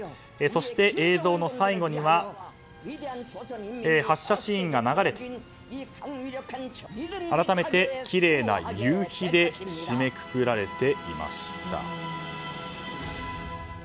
そして、映像の最後には発射シーンが流れて改めて、きれいな夕日で締めくくられていました。